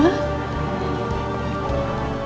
bantu aku ya ma